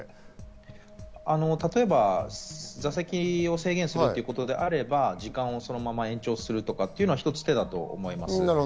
例えば座席を制限するということであれば、時間をそのまま延長するというのは一つ手だと思います。